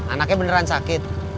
anaknya beneran sakit